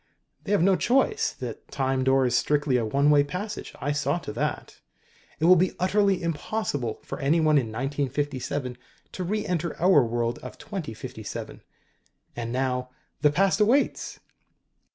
"They have no choice. The Time Door is strictly a one way passage. I saw to that. It will be utterly impossible for anyone in 1957 to re enter our world of 2057. And now the Past awaits!"